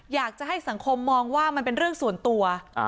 อยากจะให้สังคมมองว่ามันเป็นเรื่องส่วนตัว